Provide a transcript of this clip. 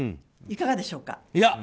いかがでしょうか。